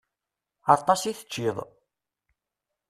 Aṭas i teččiḍ.